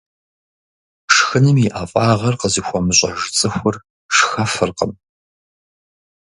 Шхыным и ӀэфӀагъыр къызыхуэмыщӀэж цӀыхур шхэфыркъым.